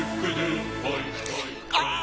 ああ！